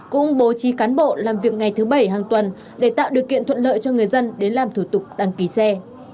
cũng bố trí cán bộ làm việc ngày thứ bảy hàng tuần để tạo điều kiện thuận lợi cho người dân đến làm thủ tục đăng ký xe